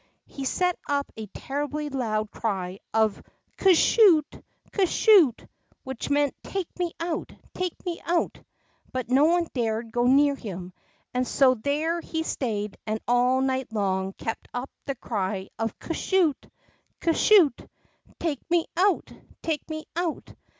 He set up a terribly loud cry of Coo shoot ! THE ROCK FROG 13 Coo shoot !'' which meant Take me out ! Take me ont !" But no one dared go near him, and so there he stayed, and all night long kept up the cry of Coo shoot ! Coo shoot! Take me out! Take me out